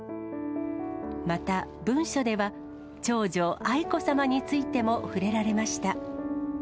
また文書では、長女、愛子さまについても触れられました。